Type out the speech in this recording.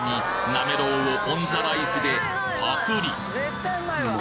なめろうをオンザライスでパクリ！